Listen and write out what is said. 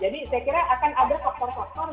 jadi saya kira akan ada faktor faktor